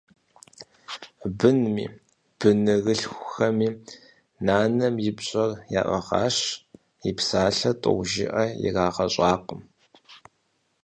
Бынми бынырылъхухэми нанэм и пщӀэр яӀыгъащ, и псалъэ тӀэужыӀэ ирагъэщӀакъым.